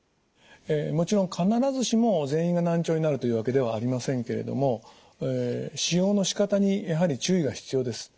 もちろん必ずしも全員が難聴になるというわけではありませんけれども使用の仕方にやはり注意が必要です。